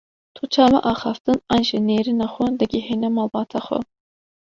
Tu çawa axaftin an jî nêrîna xwe digihîne malbata xwe?